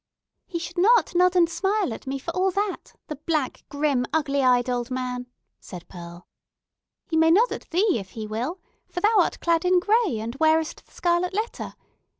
"He should not nod and smile at me, for all that—the black, grim, ugly eyed old man!" said Pearl. "He may nod at thee, if he will; for thou art clad in gray, and wearest the scarlet letter.